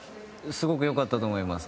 すごく良かったと思います。